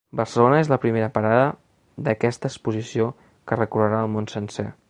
Barcelona és la primera parada d’aquesta exposició, que recorrerà el món sencer.